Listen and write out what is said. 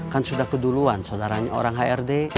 kan sudah keduluan saudaranya orang hrd